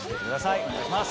お願いします。